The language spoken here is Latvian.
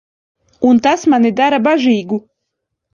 Un tas mani dara bažīgu.